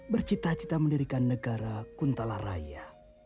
bercita cita mendirikan negara kuntala raya